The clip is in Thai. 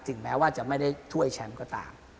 ถึงแม้ว่าจะไม่ได้ทั่วไอ้แชมป์ก็ตาม